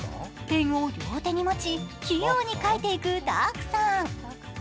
ペンを両手に持ち、器用に描いていくダークさん。